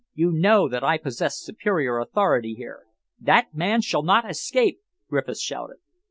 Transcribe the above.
"You know that I possess superior authority here." "That man shall not escape!" Griffiths shouted.